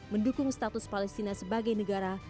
mendukung status palestina sebagai negara